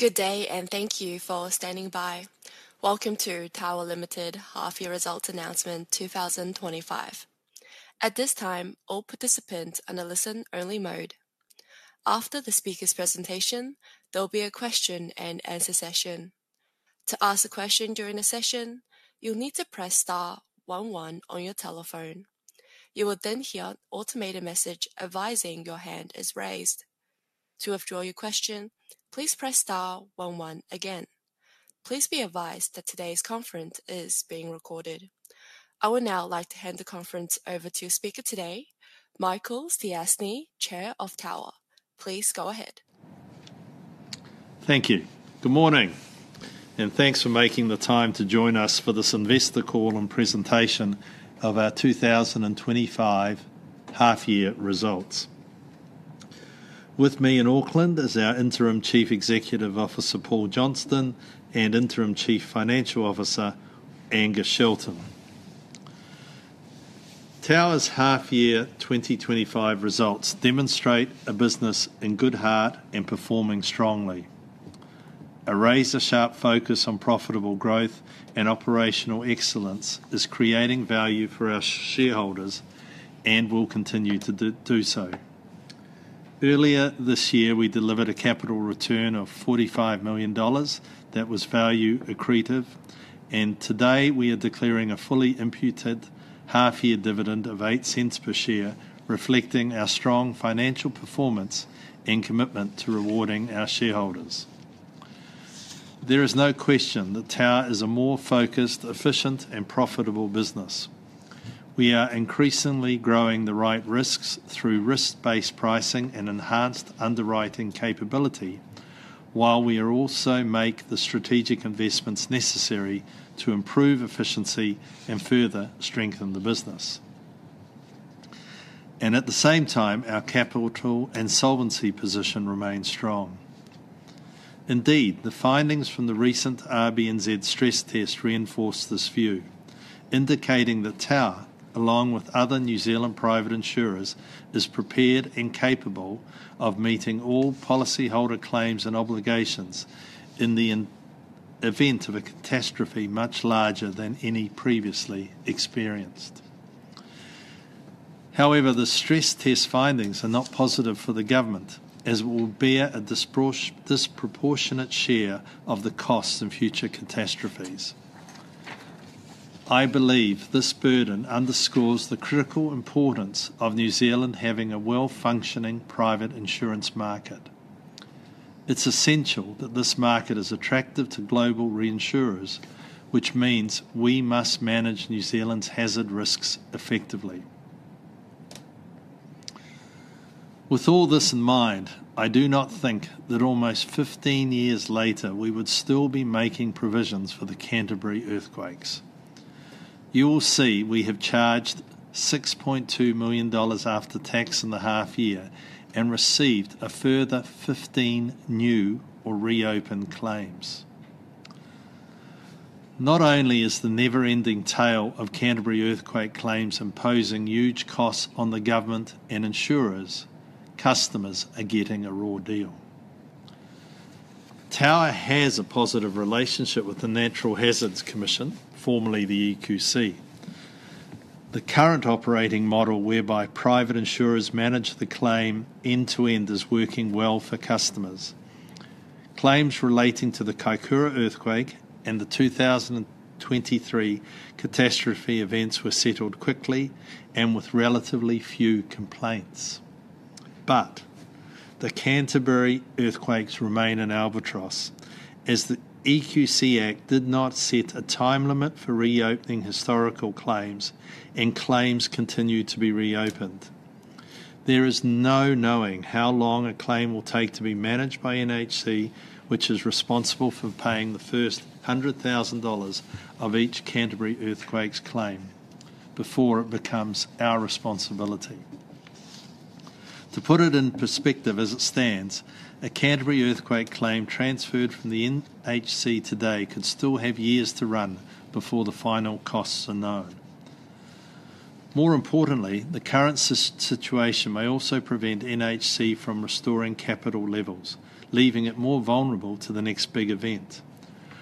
Good day, and thank you for standing by. Welcome to Tower Limited Half-Year Results Announcement 2025. At this time, all participants are in a listen-only mode. After the speaker's presentation, there will be a question-and-answer session. To ask a question during the session, you'll need to press Star one one on your telephone. You will then hear an automated message advising your hand is raised. To withdraw your question, please press Star one one again. Please be advised that today's conference is being recorded. I would now like to hand the conference over to your speaker today, Michael Stiassny, Chair of Tower. Please go ahead. Thank you. Good morning, and thanks for making the time to join us for this Investor Call and Presentation of our 2025 Half-Year Results. With me in Auckland is our Interim Chief Executive Officer, Paul Johnston, and Interim Chief Financial Officer, Angus Shelton. Tower's Half-Year 2025 Results demonstrate a business in good heart and performing strongly. A razor-sharp focus on profitable growth and operational excellence is creating value for our shareholders and will continue to do so. Earlier this year, we delivered a capital return of 45 million dollars that was value-accretive, and today we are declaring a fully imputed half-year dividend of 0.08 per share, reflecting our strong financial performance and commitment to rewarding our shareholders. There is no question that Tower is a more focused, efficient, and profitable business. We are increasingly growing the right risks through risk-based pricing and enhanced underwriting capability, while we are also making the strategic investments necessary to improve efficiency and further strengthen the business. At the same time, our capital and solvency position remains strong. Indeed, the findings from the recent RBNZ Stress Test Reinforce this view, indicating that Tower, along with other New Zealand private insurers, is prepared and capable of meeting all policyholder claims and obligations in the event of a catastrophe much larger than any previously experienced. However, the stress test findings are not positive for the government, as it will bear a disproportionate share of the costs of future catastrophes. I believe this burden underscores the critical importance of New Zealand having a well-functioning private insurance market. It's essential that this market is attractive to global reinsurers, which means we must manage New Zealand's hazard risks effectively. With all this in mind, I do not think that almost 15 years later we would still be making provisions for the Canterbury earthquakes. You will see we have charged 6.2 million dollars after tax in the half-year and received a further 15 new or reopened claims. Not only is the never-ending tail of Canterbury earthquake claims imposing huge costs on the government and insurers, customers are getting a raw deal. Tower has a positive relationship with the Natural Hazards Commission, formerly the EQC. The current operating model whereby private insurers manage the claim end-to-end is working well for customers. Claims relating to the Kaikoura earthquake and the 2023 catastrophe events were settled quickly and with relatively few complaints. The Canterbury earthquakes remain an albatross, as the EQC Act did not set a time limit for reopening historical claims, and claims continue to be reopened. There is no knowing how long a claim will take to be managed by NHC, which is responsible for paying the first 100,000 dollars of each Canterbury earthquake's claim, before it becomes our responsibility. To put it in perspective as it stands, a Canterbury earthquake claim transferred from the NHC today could still have years to run before the final costs are known. More importantly, the current situation may also prevent NHC from restoring capital levels, leaving it more vulnerable to the next big event.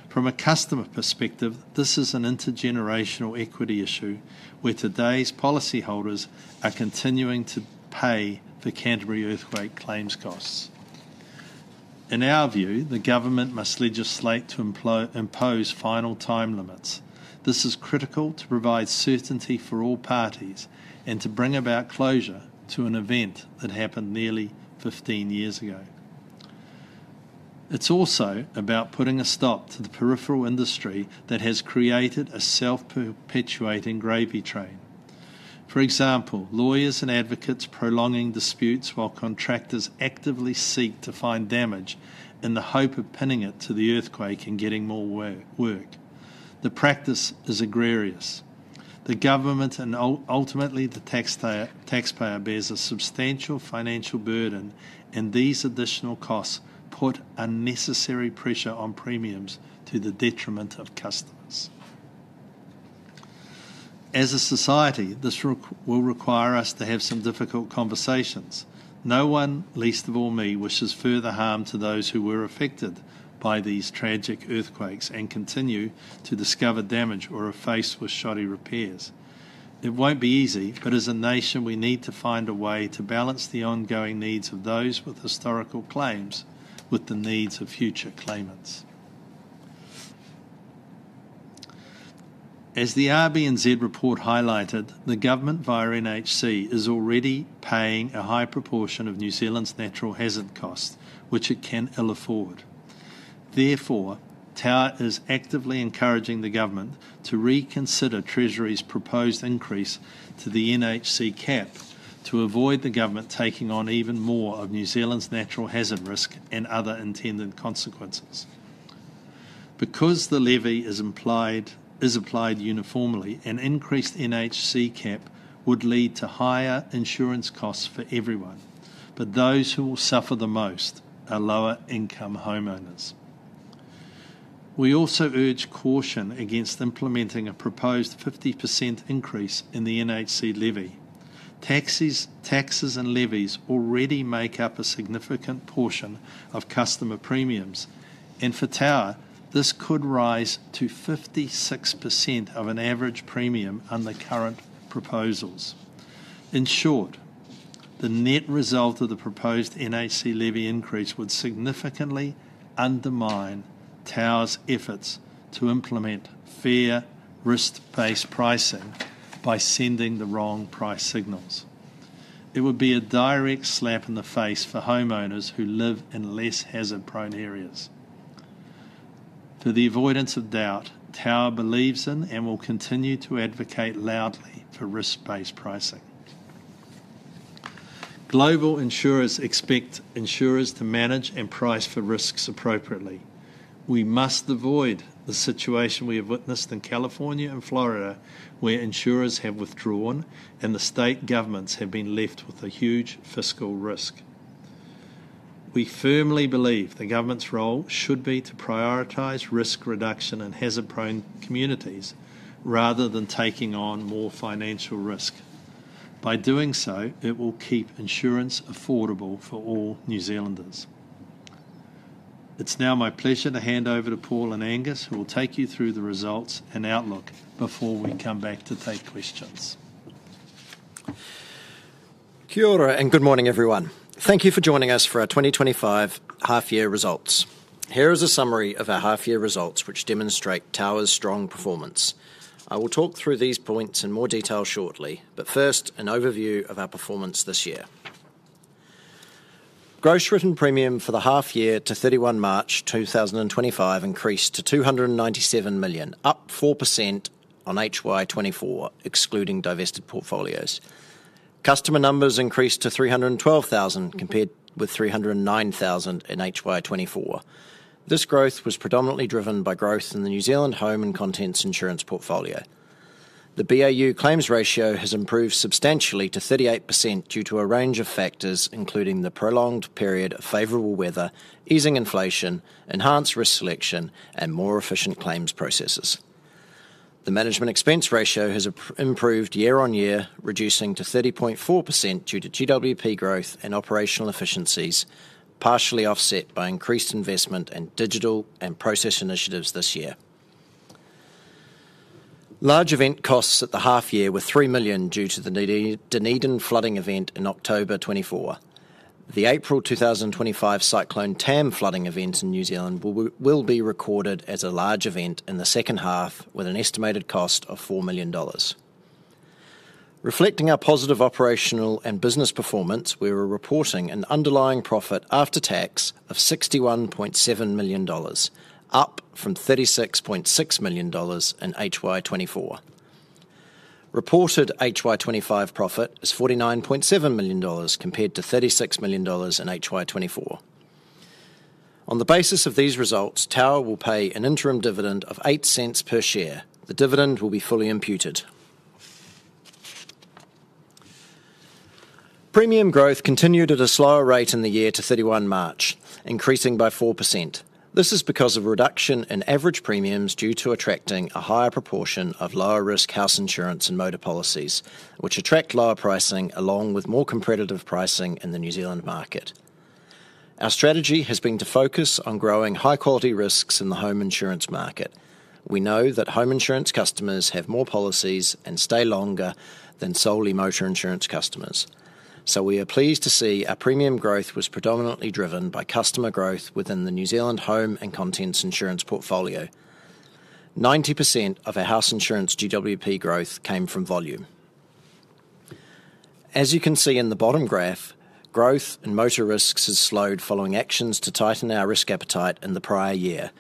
From a customer perspective, this is an intergenerational equity issue where today's policyholders are continuing to pay for Canterbury earthquake claims costs. In our view, the government must legislate to impose final time limits. This is critical to provide certainty for all parties and to bring about closure to an event that happened nearly 15 years ago. It's also about putting a stop to the peripheral industry that has created a self-perpetuating gravy train. For example, lawyers and advocates prolonging disputes while contractors actively seek to find damage in the hope of pinning it to the earthquake and getting more work. The practice is egregious. The government and ultimately the taxpayer bears a substantial financial burden, and these additional costs put unnecessary pressure on premiums to the detriment of customers. As a society, this will require us to have some difficult conversations. No one, least of all me, wishes further harm to those who were affected by these tragic earthquakes and continue to discover damage or are faced with shoddy repairs. It will not be easy, but as a nation, we need to find a way to balance the ongoing needs of those with historical claims with the needs of future claimants. As the RBNZ report highlighted, the government via NHC is already paying a high proportion of New Zealand's Natural Hazard Costs, which it can ill afford. Therefore, Tower is actively encouraging the government to reconsider Treasury's proposed increase to the NHC cap to avoid the government taking on even more of New Zealand's natural hazard risk and other intended consequences. Because the levy is applied uniformly, an increased NHC cap would lead to higher insurance costs for everyone, but those who will suffer the most are lower-income homeowners. We also urge caution against implementing a proposed 50% increase in the NHC levy. Taxes and levies already make up a significant portion of customer premiums, and for Tower, this could rise to 56% of an average premium on the current proposals. In short, the net result of the proposed NHC levy increase would significantly undermine Tower's efforts to implement fair risk-based pricing by sending the wrong price signals. It would be a direct slap in the face for homeowners who live in less hazard-prone areas. For the avoidance of doubt, Tower believes in and will continue to advocate loudly for risk-based pricing. Global insurers expect insurers to manage and price for risks appropriately. We must avoid the situation we have witnessed in California and Florida, where insurers have withdrawn and the state governments have been left with a huge fiscal risk. We firmly believe the government's role should be to prioritize risk reduction in hazard-prone communities rather than taking on more financial risk. By doing so, it will keep insurance affordable for all New Zealanders. It's now my pleasure to hand over to Paul and Angus, who will take you through the results and outlook before we come back to take questions. Kia ora and good morning, everyone. Thank you for joining us for our 2025 Half-Year Results. Here is a summary of our Half-Year Results, which demonstrate Tower's strong performance. I will talk through these points in more detail shortly, but first, an overview of our performance this year. Gross written premium for the half-year to 31 March 2025 increased to 297 million, up 4% on HY24, excluding divested portfolios. Customer numbers increased to 312,000 compared with 309,000 in HY24. This growth was predominantly driven by growth in the New Zealand home and contents insurance portfolio. The BAU claims ratio has improved substantially to 38% due to a range of factors, including the prolonged period of favorable weather, easing inflation, enhanced risk selection, and more efficient claims processes. The management expense ratio has improved year-on-year, reducing to 30.4% due to GWP growth and operational efficiencies, partially offset by increased investment in digital and process initiatives this year. Large event costs at the half-year were 3 million due to the Dunedin flooding event in October 2024. The April 2025 Cyclone Tam flooding event in New Zealand will be recorded as a large event in the second half, with an estimated cost of 4 million dollars. Reflecting our positive operational and business performance, we are reporting an underlying profit after tax of 61.7 million dollars, up from 36.6 million dollars in HY2024. Reported HY2025 profit is NZD 49.7 million compared to NZD 36 million in HY2024. On the basis of these results, Tower will pay an interim dividend of 0.08 per share. The dividend will be fully imputed. Premium growth continued at a slower rate in the year to 31 March, increasing by 4%. This is because of a reduction in average premiums due to attracting a higher proportion of lower-risk house insurance and motor policies, which attract lower pricing along with more competitive pricing in the New Zealand market. Our strategy has been to focus on growing high-quality risks in the home insurance market. We know that home insurance customers have more policies and stay longer than solely motor insurance customers, so we are pleased to see our premium growth was predominantly driven by customer growth within the New Zealand home and contents insurance portfolio. 90% of our house insurance GWP Growth came from volume. As you can see in the bottom graph, growth in motor risks has slowed following actions to tighten our risk appetite in the prior year.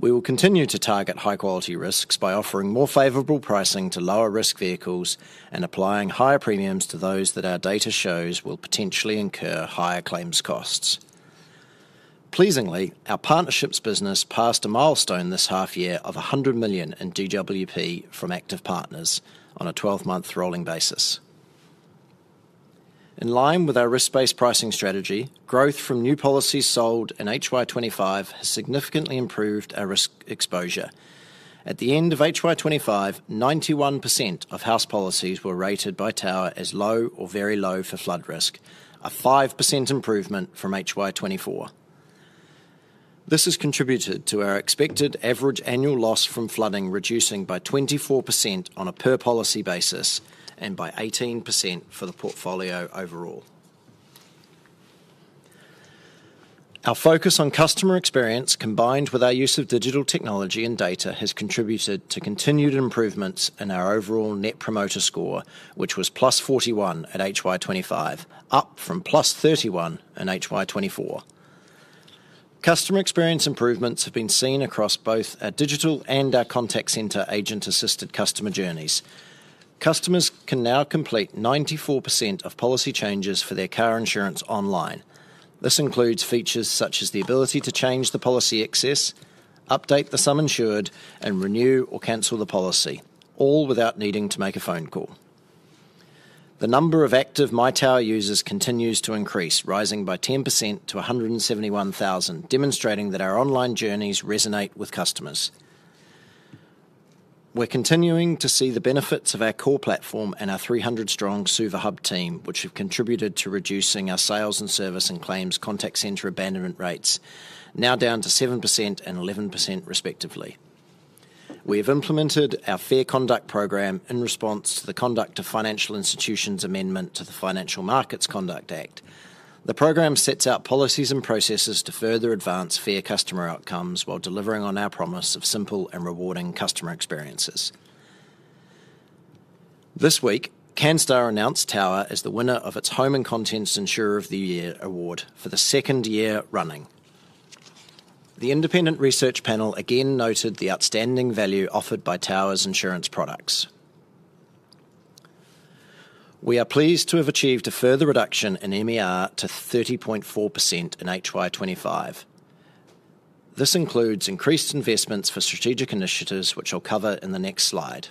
We will continue to target high-quality risks by offering more favorable pricing to lower-risk vehicles and applying higher premiums to those that our data shows will potentially incur higher claims costs. Pleasingly, our partnerships business passed a milestone this half-year of 100 million in GWP from active partners on a 12-month rolling basis. In line with our risk-based pricing strategy, growth from new policies sold in HY2025 has significantly improved our risk exposure. At the end of HY2025, 91% of house policies were rated by Tower as low or very low for flood risk, a 5% improvement from HY2024. This has contributed to our expected average annual loss from flooding reducing by 24% on a per-policy basis and by 18% for the portfolio overall. Our focus on customer experience, combined with our use of digital technology and data, has contributed to continued improvements in our overall Net Promoter Score, which was +41 at HY2025, up from +31 in HY2024. Customer experience improvements have been seen across both our digital and our contact center agent-assisted customer journeys. Customers can now complete 94% of policy changes for their car insurance online. This includes features such as the ability to change the policy access, update the sum insured, and renew or cancel the policy, all without needing to make a phone call. The number of active MyTower users continues to increase, rising by 10% to 171,000, demonstrating that our online journeys resonate with customers. We're continuing to see the benefits of our core platform and our 300-strong Suva hub team, which have contributed to reducing our sales and service and claims contact center abandonment rates, now down to 7% and 11% respectively. We have implemented our fair conduct program in response to the Conduct of Financial Institutions Amendment to the Financial Markets Conduct Act. The program sets out policies and processes to further advance fair customer outcomes while delivering on our promise of simple and rewarding customer experiences. This week, Canstar announced Tower as the winner of its Home and Contents Insurer of the Year award for the second year running. The independent research panel again noted the outstanding value offered by Tower's insurance products. We are pleased to have achieved a further reduction in MER to 30.4% in HY2025. This includes increased investments for strategic initiatives, which I'll cover in the next slide.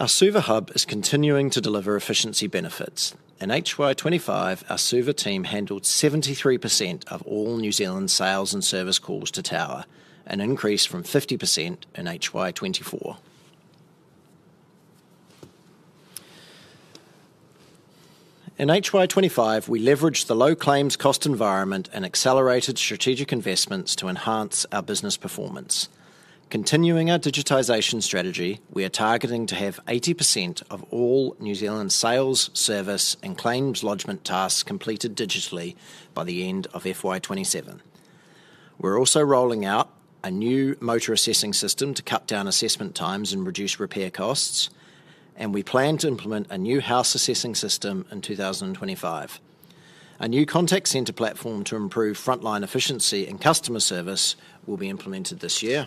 Our Suva Hub is continuing to deliver efficiency benefits. In HY25, our Suva team handled 73% of all New Zealand sales and service calls to Tower, an increase from 50% in HY24. In HY25, we leveraged the low claims cost environment and accelerated strategic investments to enhance our business performance. Continuing our digitization strategy, we are targeting to have 80% of all New Zealand sales, service, and claims lodgement tasks completed digitally by the end of FY27. We're also rolling out a new motor assessing system to cut down assessment times and reduce repair costs, and we plan to implement a new house assessing system in 2025. A new contact center platform to improve frontline efficiency and customer service will be implemented this year.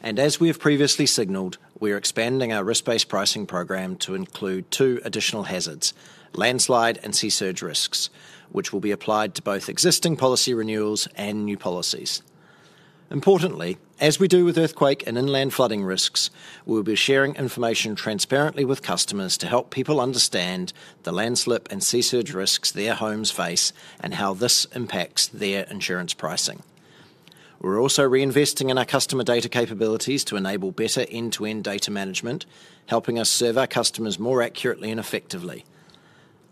As we have previously signaled, we are expanding our risk-based pricing program to include two additional hazards, landslide and sea surge risks, which will be applied to both existing policy renewals and new policies. Importantly, as we do with earthquake and inland flooding risks, we will be sharing information transparently with customers to help people understand the landslide and sea surge risks their homes face and how this impacts their insurance pricing. We're also reinvesting in our customer data capabilities to enable better end-to-end data management, helping us serve our customers more accurately and effectively.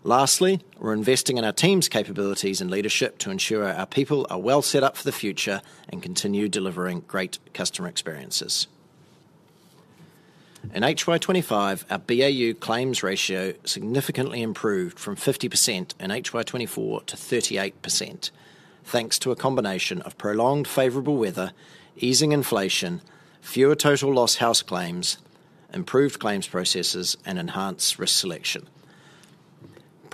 Lastly, we're investing in our team's capabilities and leadership to ensure our people are well set up for the future and continue delivering great customer experiences. In HY25, our BAU claims ratio significantly improved from 50% in HY24 to 38%, thanks to a combination of prolonged favorable weather, easing inflation, fewer total loss house claims, improved claims processes, and enhanced risk selection.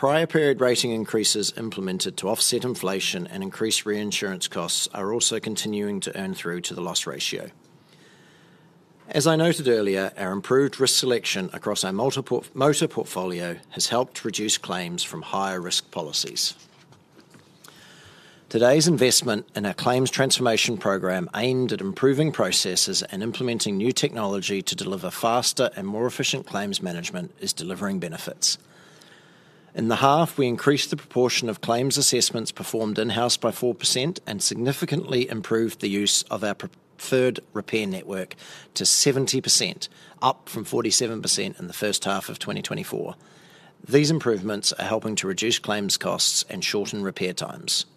Prior period rating increases implemented to offset inflation and increase reinsurance costs are also continuing to earn through to the loss ratio. As I noted earlier, our improved risk selection across our motor portfolio has helped reduce claims from higher-risk policies. Today's investment in our claims transformation program aimed at improving processes and implementing new technology to deliver faster and more efficient claims management is delivering benefits. In the half, we increased the proportion of claims assessments performed in-house by 4% and significantly improved the use of our preferred repair network to 70%, up from 47% in the first half of 2024. These improvements are helping to reduce claims costs and shorten repair times.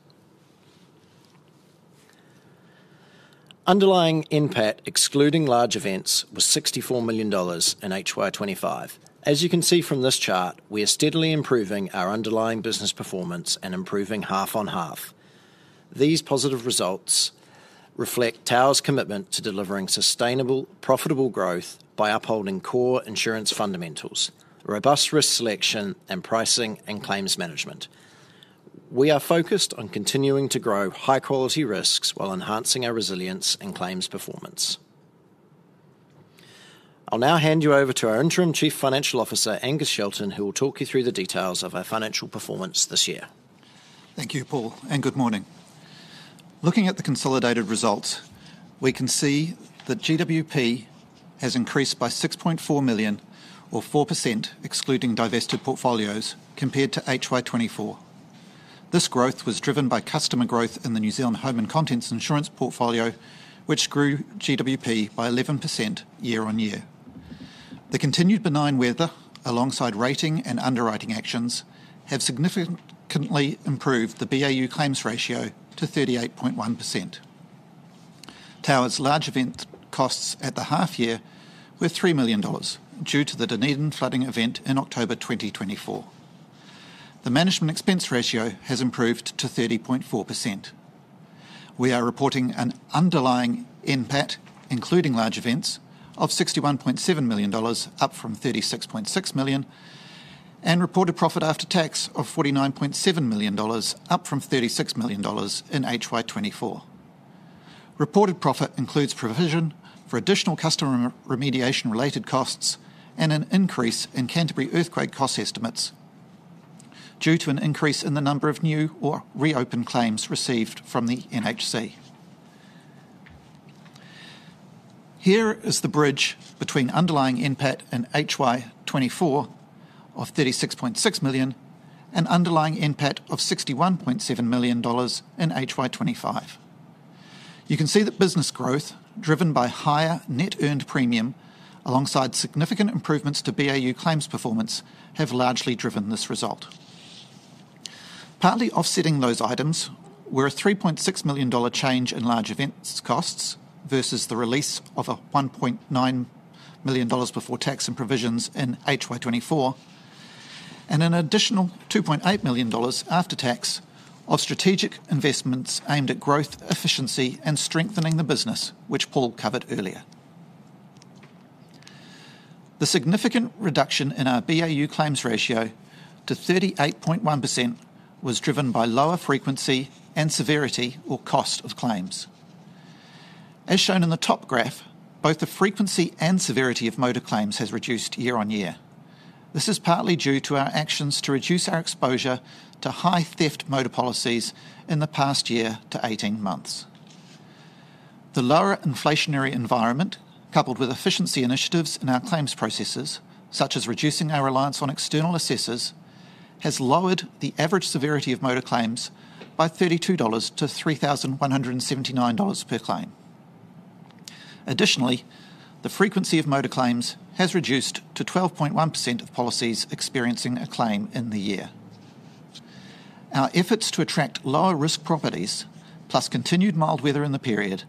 Underlying impact, excluding large events, was 64 million dollars in HY25. As you can see from this chart, we are steadily improving our underlying business performance and improving half on half. These positive results reflect Tower's commitment to delivering sustainable, profitable growth by upholding core insurance fundamentals, robust risk selection, and pricing and claims management. We are focused on continuing to grow high-quality risks while enhancing our resilience and claims performance. I'll now hand you over to our Interim Chief Financial Officer, Angus Shelton, who will talk you through the details of our financial performance this year. Thank you, Paul, and good morning. Looking at the consolidated results, we can see that GWP has increased by 6.4 million, or 4% excluding divested portfolios, compared to HY2024. This growth was driven by customer growth in the New Zealand home and contents insurance portfolio, which grew GWP by 11% year on year. The continued benign weather, alongside rating and underwriting actions, have significantly improved the BAU claims ratio to 38.1%. Tower's large event costs at the half-year were 3 million dollars due to the Dunedin flooding event in October 2024. The management expense ratio has improved to 30.4%. We are reporting an underlying impact, including large events, of NZD 61.7 million, up from NZD 36.6 million, and reported profit after tax of NZD 49.7 million, up from NZD 36 million in HY2024. Reported profit includes provision for additional customer remediation-related costs and an increase in Canterbury earthquake cost estimates due to an increase in the number of new or reopened claims received from the NHC. Here is the bridge between underlying impact in HY24 of 36.6 million and underlying impact of 61.7 million dollars in HY25. You can see that business growth, driven by higher net earned premium alongside significant improvements to BAU claims performance, have largely driven this result. Partly offsetting those items were a 3.6 million dollar change in large event costs versus the release of a 1.9 million dollars before tax and provisions in HY24, and an additional 2.8 million dollars after tax of strategic investments aimed at growth, efficiency, and strengthening the business, which Paul covered earlier. The significant reduction in our BAU claims ratio to 38.1% was driven by lower frequency and severity, or cost, of claims. As shown in the top graph, both the frequency and severity of motor claims has reduced year on year. This is partly due to our actions to reduce our exposure to high theft motor policies in the past year to 18 months. The lower inflationary environment, coupled with efficiency initiatives in our claims processes, such as reducing our reliance on external assessors, has lowered the average severity of motor claims by 32 dollars to 3,179 dollars per claim. Additionally, the frequency of motor claims has reduced to 12.1% of policies experiencing a claim in the year. Our efforts to attract lower-risk properties, plus continued mild weather in the period,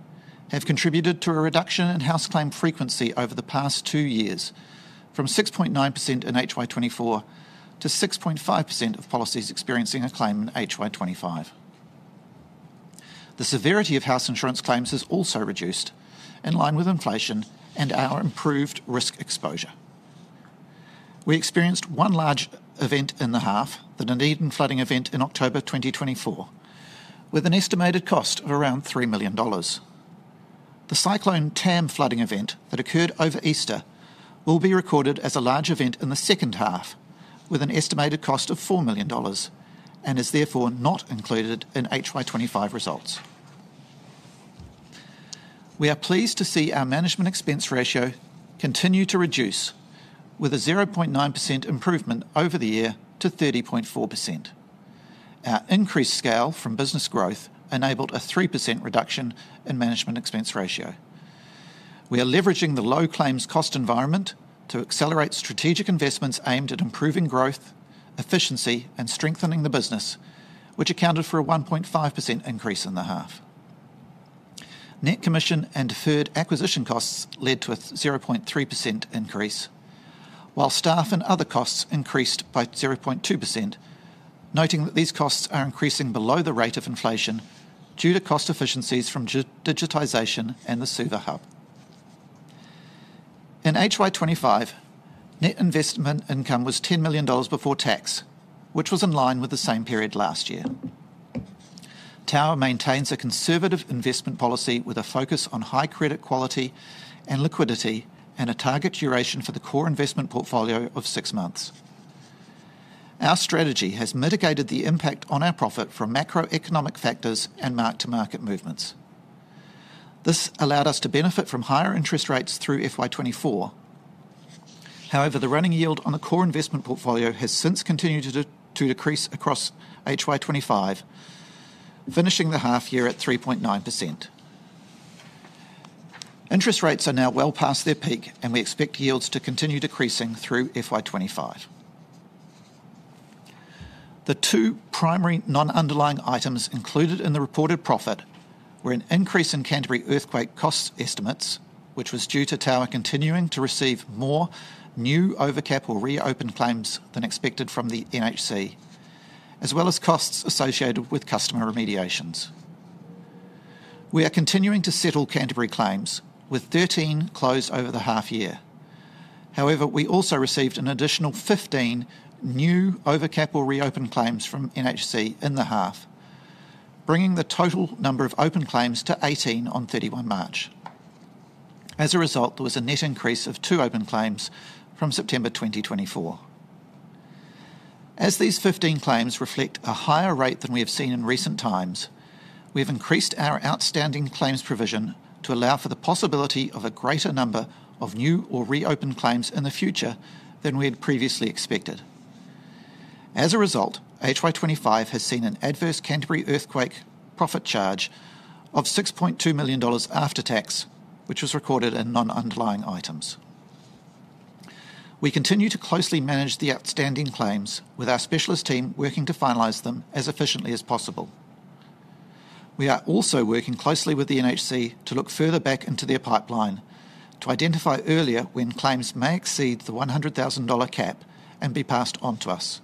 have contributed to a reduction in house claim frequency over the past two years, from 6.9% in HY 2024 to 6.5% of policies experiencing a claim in HY 2025. The severity of house insurance claims has also reduced, in line with inflation and our improved risk exposure. We experienced one large event in the half, the Dunedin flooding event in October 2024, with an estimated cost of 3 million dollars. The cyclone Tam flooding event that occurred over Easter will be recorded as a large event in the second half, with an estimated cost of 4 million dollars, and is therefore not included in HY25 results. We are pleased to see our management expense ratio continue to reduce, with a 0.9% improvement over the year to 30.4%. Our increased scale from business growth enabled a 3% reduction in management expense ratio. We are leveraging the low claims cost environment to accelerate strategic investments aimed at improving growth, efficiency, and strengthening the business, which accounted for a 1.5% increase in the half. Net commission and deferred acquisition costs led to a 0.3% increase, while staff and other costs increased by 0.2%, noting that these costs are increasing below the rate of inflation due to cost efficiencies from digitization and the Suva hub. In HY25, net investment income was 10 million dollars before tax, which was in line with the same period last year. Tower maintains a conservative investment policy with a focus on high credit quality and liquidity and a target duration for the core investment portfolio of six months. Our strategy has mitigated the impact on our profit from macroeconomic factors and mark-to-market movements. This allowed us to benefit from higher interest rates through FY24. However, the running yield on the core investment portfolio has since continued to decrease across HY25, finishing the half-year at 3.9%. Interest rates are now well past their peak, and we expect yields to continue decreasing through FY25. The two primary non-underlying items included in the reported profit were an increase in Canterbury earthquake cost estimates, which was due to Tower continuing to receive more new overcap or reopened claims than expected from the NHC, as well as costs associated with customer remediations. We are continuing to settle Canterbury claims with 13 closed over the half-year. However, we also received an additional 15 new overcap or reopened claims from NHC in the half, bringing the total number of open claims to 18 on 31 March. As a result, there was a net increase of two open claims from September 2024. As these 15 claims reflect a higher rate than we have seen in recent times, we have increased our outstanding claims provision to allow for the possibility of a greater number of new or reopened claims in the future than we had previously expected. As a result, HY25 has seen an adverse Canterbury earthquake profit charge of 6.2 million dollars after tax, which was recorded in non-underlying items. We continue to closely manage the outstanding claims, with our specialist team working to finalize them as efficiently as possible. We are also working closely with the NHC to look further back into their pipeline to identify earlier when claims may exceed the 100,000 dollar cap and be passed on to us.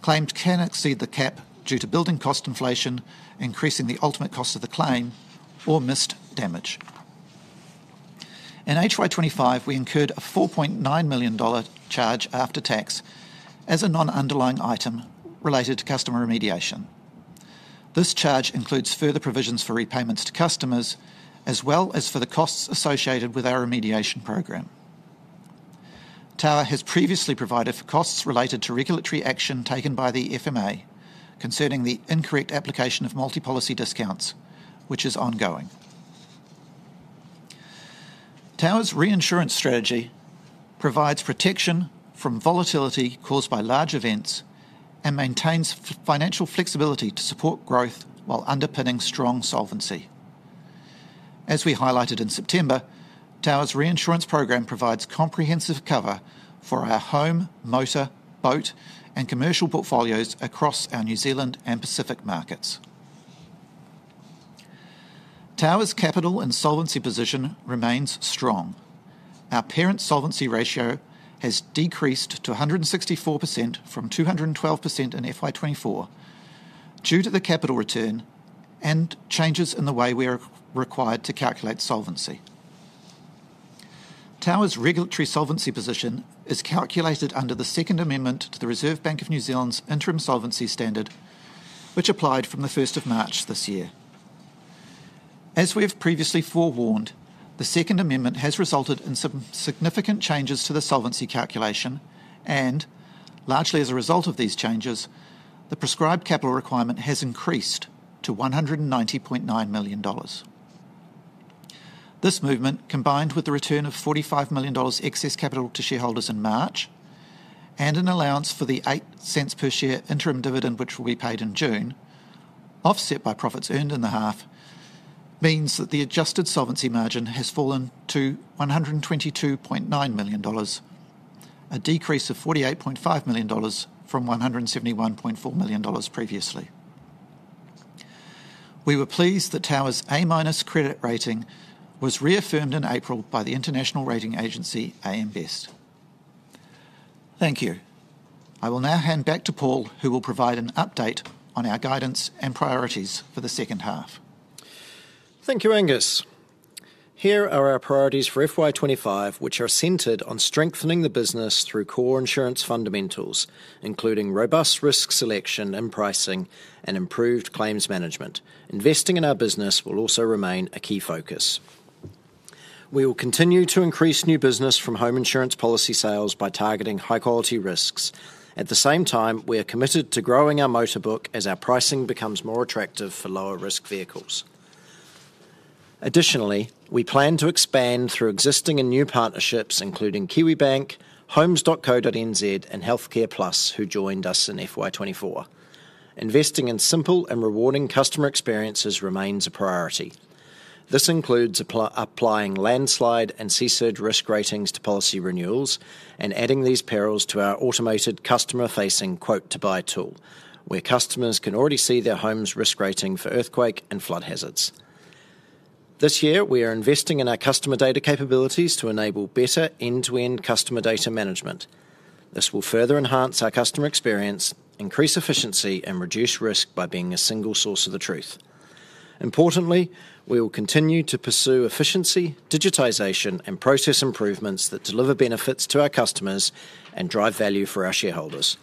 Claims can exceed the cap due to building cost inflation, increasing the ultimate cost of the claim, or missed damage. In HY25, we incurred a 4.9 million dollar charge after tax as a non-underlying item related to customer remediation. This charge includes further provisions for repayments to customers, as well as for the costs associated with our remediation program. Tower has previously provided for costs related to regulatory action taken by the FMA concerning the incorrect application of multi-policy discounts, which is ongoing. Tower's reinsurance strategy provides protection from volatility caused by large events and maintains financial flexibility to support growth while underpinning strong solvency. As we highlighted in September, Tower's reinsurance program provides comprehensive cover for our home, motor, boat, and commercial portfolios across our New Zealand and Pacific markets. Tower's capital and solvency position remains strong. Our parent solvency ratio has decreased to 164% from 212% in FY24 due to the capital return and changes in the way we are required to calculate solvency. Tower's regulatory solvency position is calculated under the Second Amendment to the Reserve Bank of New Zealand's interim solvency standard, which applied from the 1st of March this year. As we have previously forewarned, the Second Amendment has resulted in some significant changes to the solvency calculation, and largely as a result of these changes, the prescribed capital requirement has increased to 190.9 million dollars. This movement, combined with the return of 45 million dollars excess capital to shareholders in March and an allowance for the 0.08 per share interim dividend, which will be paid in June, offset by profits earned in the half, means that the adjusted solvency margin has fallen to NZD 122.9 million, a decrease of NZD 48.5 million from NZD 171.4 million previously. We were pleased that Tower's A-minus credit rating was reaffirmed in April by the international rating agency AM Best. Thank you. I will now hand back to Paul, who will provide an update on our guidance and priorities for the second half. Thank you, Angus. Here are our priorities for FY25, which are centered on strengthening the business through core insurance fundamentals, including robust risk selection and pricing and improved claims management. Investing in our business will also remain a key focus. We will continue to increase new business from home insurance policy sales by targeting high-quality risks. At the same time, we are committed to growing our motorbook as our pricing becomes more attractive for lower-risk vehicles. Additionally, we plan to expand through existing and new partnerships, including Kiwi Bank, Homes.co.nz, and Healthcare Plus, who joined us in FY24. Investing in simple and rewarding customer experiences remains a priority. This includes applying landslide and sea-surge risk ratings to policy renewals and adding these perils to our automated customer-facing quote-to-buy tool, where customers can already see their home's risk rating for earthquake and flood hazards. This year, we are investing in our customer data capabilities to enable better end-to-end customer data management. This will further enhance our customer experience, increase efficiency, and reduce risk by being a single source of the truth. Importantly, we will continue to pursue efficiency, digitization, and process improvements that deliver benefits to our customers and drive value for our shareholders.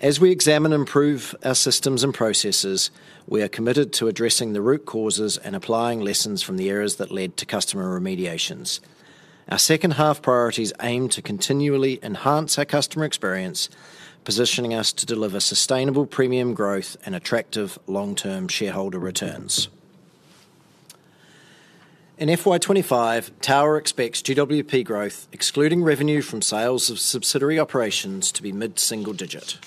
As we examine and improve our systems and processes, we are committed to addressing the root causes and applying lessons from the errors that led to customer remediations. Our second half priorities aim to continually enhance our customer experience, positioning us to deliver sustainable premium growth and attractive long-term shareholder returns. In FY2025, Tower expects GWP growth, excluding revenue from sales of subsidiary operations, to be mid-single digit.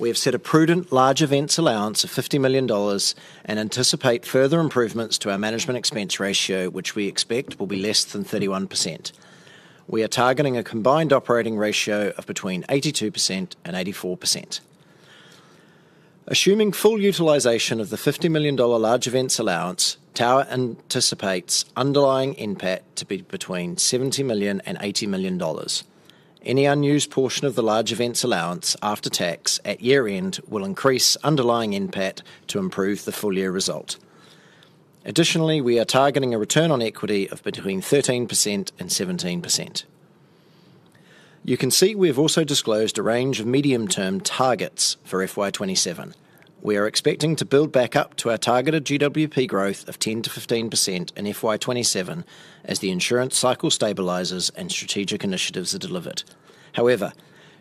We have set a prudent large events allowance of 50 million dollars and anticipate further improvements to our management expense ratio, which we expect will be less than 31%. We are targeting a combined operating ratio of between 82% and 84%. Assuming full utilization of the 50 million dollar large events allowance, Tower anticipates underlying impact to be between 70 million and 80 million dollars. Any unused portion of the large events allowance after tax at year-end will increase underlying impact to improve the full-year result. Additionally, we are targeting a return on equity of between 13% and 17%. You can see we have also disclosed a range of medium-term targets for FY2027. We are expecting to build back up to our targeted GWP growth of 10%-15% in FY2027 as the insurance cycle stabilizes and strategic initiatives are delivered. However,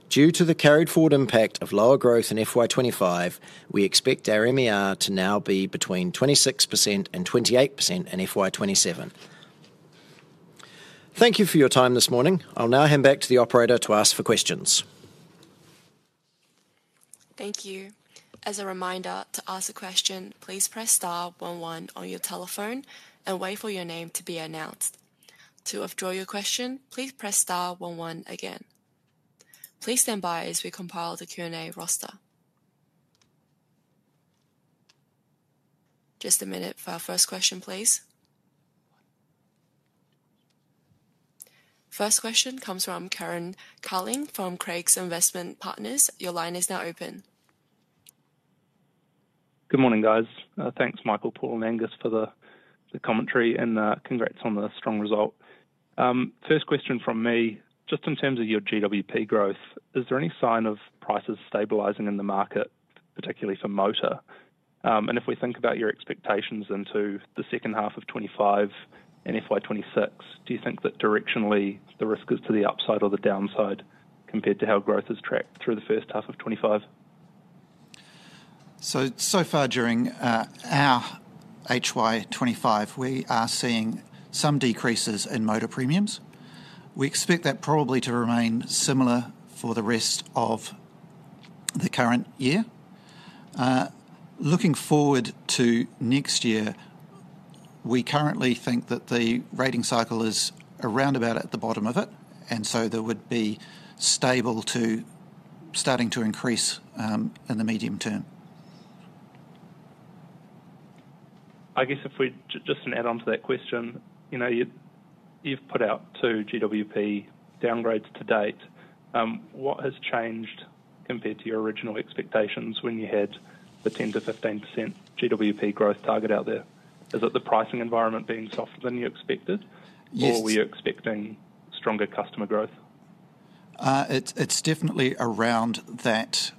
due to the carried forward impact of lower growth in FY2025, we expect our MER to now be between 26%-28% in FY2027. Thank you for your time this morning. I'll now hand back to the operator to ask for questions. Thank you. As a reminder to ask a question, please press star one one on your telephone and wait for your name to be announced. To withdraw your question, please press star one one again. Please stand by as we compile the Q&A roster. Just a minute for our first question, please. First question comes from Karen Kaling from Craigs Investment Partners. Your line is now open. Good morning, guys. Thanks, Michael, Paul, and Angus for the commentary and congrats on the strong result. First question from me, just in terms of your GWP growth, is there any sign of prices stabilizing in the market, particularly for motor? If we think about your expectations into the second half of 2025 and FY2026, do you think that directionally the risk is to the upside or the downside compared to how growth has tracked through the first half of 2025? So far during our HY25, we are seeing some decreases in motor premiums. We expect that probably to remain similar for the rest of the current year. Looking forward to next year, we currently think that the rating cycle is around about at the bottom of it, and so there would be stable to starting to increase in the medium term. I guess just to add on to that question, you've put out two GWP downgrades to date. What has changed compared to your original expectations when you had the 10%-15% GWP growth target out there? Is it the pricing environment being softer than you expected, or were you expecting stronger customer growth? is definitely around that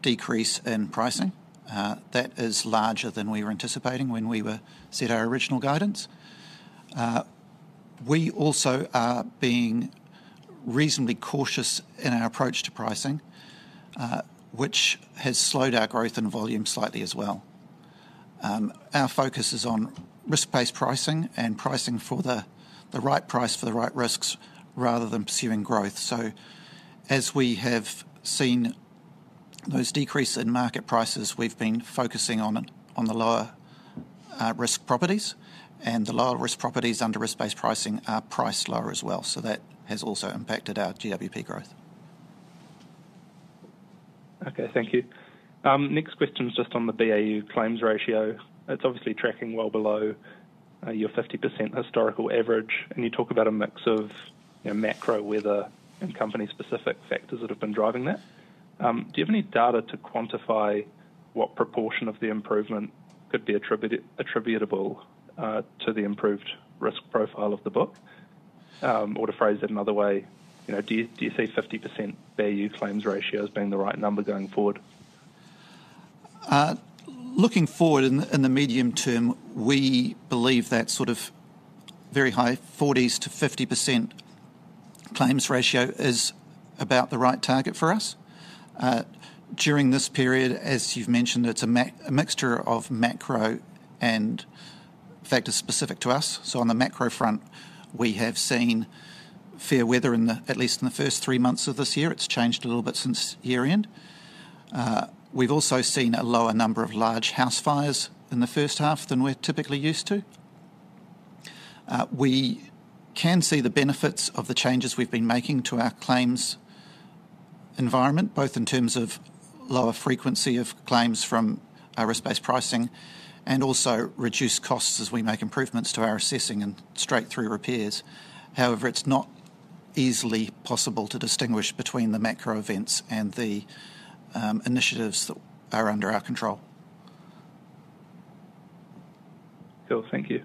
decrease in pricing. That is larger than we were anticipating when we set our original guidance. We also are being reasonably cautious in our approach to pricing, which has slowed our growth and volume slightly as well. Our focus is on risk-based pricing and pricing for the right price for the right risks rather than pursuing growth. As we have seen those decreases in market prices, we have been focusing on the lower risk properties, and the lower risk properties under risk-based pricing are priced lower as well. That has also impacted our GWP growth. Okay, thank you. Next question is just on the BAU claims ratio. It's obviously tracking well below your 50% historical average, and you talk about a mix of macro weather and company-specific factors that have been driving that. Do you have any data to quantify what proportion of the improvement could be attributable to the improved risk profile of the book? Or to phrase it another way, do you see 50% BAU claims ratio as being the right number going forward? Looking forward in the medium term, we believe that sort of very high 40%-50% claims ratio is about the right target for us. During this period, as you've mentioned, it's a mixture of macro and factors specific to us. On the macro front, we have seen fair weather at least in the first three months of this year. It's changed a little bit since year-end. We've also seen a lower number of large house fires in the first half than we're typically used to. We can see the benefits of the changes we've been making to our claims environment, both in terms of lower frequency of claims from our risk-based pricing and also reduced costs as we make improvements to our assessing and straight-through repairs. However, it's not easily possible to distinguish between the macro events and the initiatives that are under our control. Good, thank you.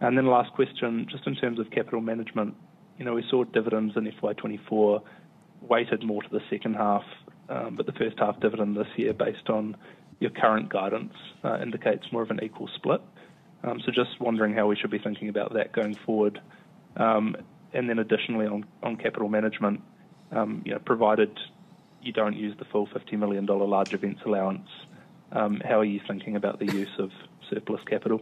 Last question, just in terms of capital management. We saw dividends in FY2024 weighted more to the second half, but the first half dividend this year, based on your current guidance, indicates more of an equal split. Just wondering how we should be thinking about that going forward. Additionally, on capital management, provided you do not use the full 50 million dollar large events allowance, how are you thinking about the use of Surplus Capital?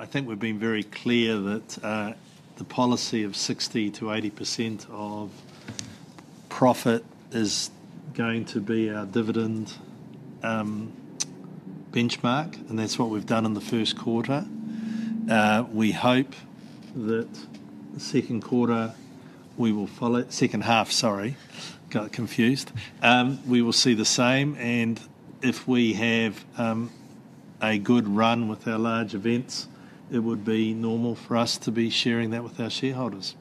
I think we've been very clear that the policy of 60%-80% of profit is going to be our dividend benchmark, and that's what we've done in the first quarter. We hope that second quarter, we will follow—second half, sorry, got confused. We will see the same, and if we have a good run with our large events, it would be normal for us to be sharing that with our shareholders.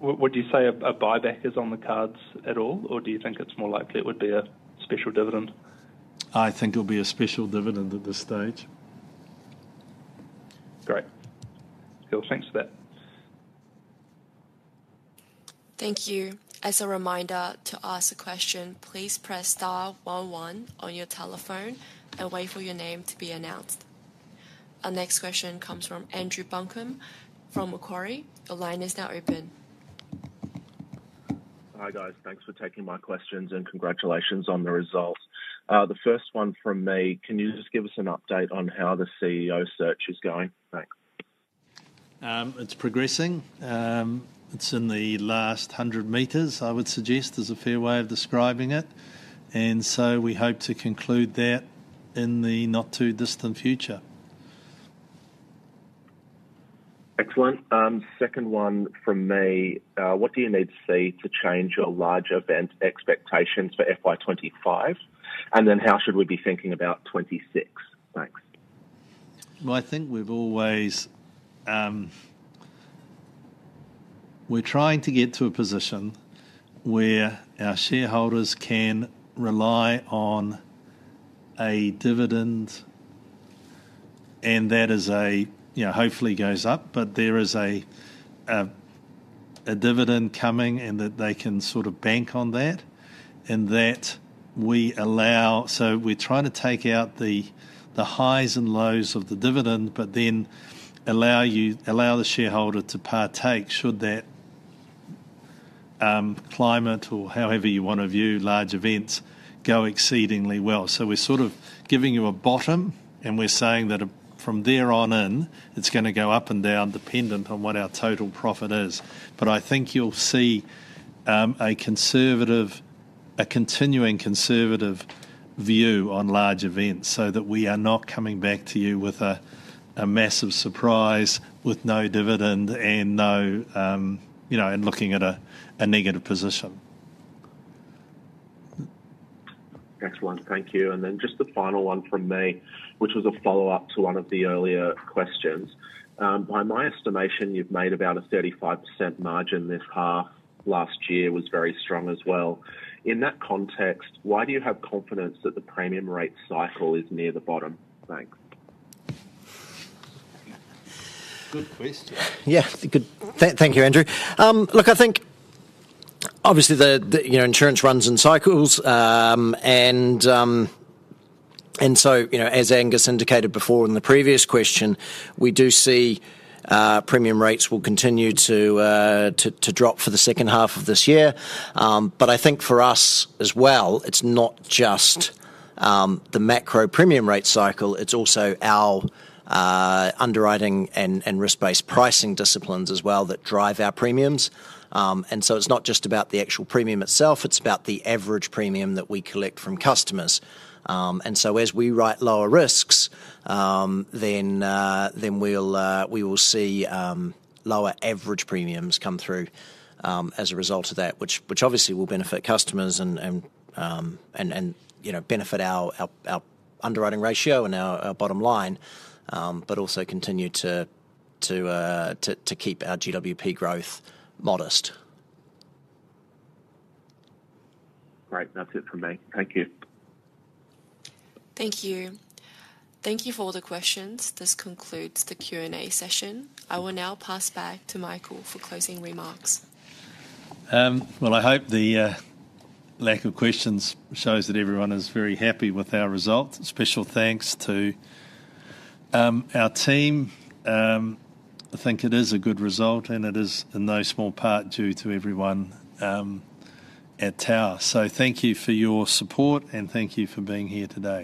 Would you say a buyback is on the cards at all, or do you think it's more likely it would be a special dividend? I think it'll be a special dividend at this stage. Great. Thanks for that. Thank you. As a reminder to ask a question, please press star one one on your telephone and wait for your name to be announced. Our next question comes from Andrew Buncombe from Macquarie. The line is now open. Hi, guys. Thanks for taking my questions and congratulations on the results. The first one from me, can you just give us an update on how the CEO search is going? Thanks. It's progressing. It's in the last 100 meters, I would suggest, is a fair way of describing it. We hope to conclude that in the not-too-distant future. Excellent. Second one from me, what do you need to see to change your large event expectations for FY25? What should we be thinking about for 2026? Thanks. I think we've always been trying to get to a position where our shareholders can rely on a dividend, and that hopefully goes up, but there is a dividend coming and that they can sort of bank on that and that we allow. We are trying to take out the highs and lows of the dividend, but then allow the shareholder to partake should that climate or however you want to view large events go exceedingly well. We are sort of giving you a bottom, and we are saying that from there on in, it's going to go up and down dependent on what our total profit is. I think you'll see a continuing conservative view on large events so that we are not coming back to you with a massive surprise with no dividend and looking at a negative position. Excellent. Thank you. Then just the final one from me, which was a follow-up to one of the earlier questions. By my estimation, you've made about a 35% margin this half. Last year was very strong as well. In that context, why do you have confidence that the premium rate cycle is near the bottom? Thanks. Good question. Yeah, thank you, Andrew. Look, I think obviously insurance runs in cycles. As Angus indicated before in the previous question, we do see premium rates will continue to drop for the second half of this year. I think for us as well, it's not just the macro premium rate cycle. It's also our underwriting and risk-based pricing disciplines as well that drive our premiums. It's not just about the actual premium itself. It's about the average premium that we collect from customers. As we write lower risks, then we will see lower average premiums come through as a result of that, which obviously will benefit customers and benefit our underwriting ratio and our bottom line, but also continue to keep our GWP growth modest. Great. That's it from me. Thank you. Thank you. Thank you for all the questions. This concludes the Q&A session. I will now pass back to Michael for closing remarks. I hope the lack of questions shows that everyone is very happy with our result. Special thanks to our team. I think it is a good result, and it is in no small part due to everyone at Tower. Thank you for your support, and thank you for being here today.